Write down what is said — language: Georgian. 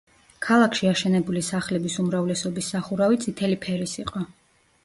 ქალაქში აშენებული სახლების უმრავლესობის სახურავი წითელი ფერის იყო.